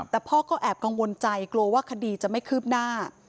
แต่พ่อก็แอบกังวลใจกลัวว่าคดีจะไม่คืบหน้า